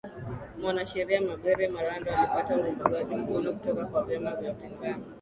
mwanasheria mabere marando alipata uugwaji mkono kutoka kwa vyama vya upinzani